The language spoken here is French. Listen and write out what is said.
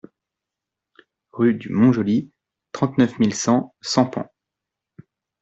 Rue du Mont-Joly, trente-neuf mille cent Sampans